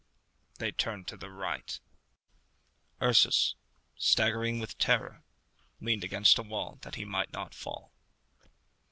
They turned to the right. Ursus, staggering with terror, leant against a wall that he might not fall.